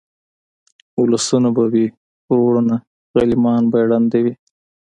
اولسونه به وي وروڼه غلیمان به یې ړانده وي